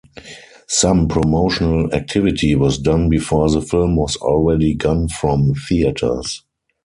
Some promotional activity was done before the film was already gone from theaters.